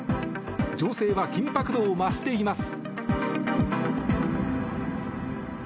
情勢は緊迫度を増しています。